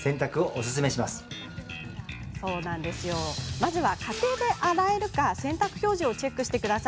まずは、家庭で洗えるか洗濯表示をチェック。